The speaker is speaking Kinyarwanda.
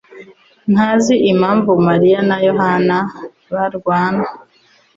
ntazi impamvu Mariya na Yohana barwana.